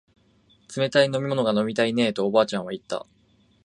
冷たい飲み物が飲みたいねえとおばあちゃんは言った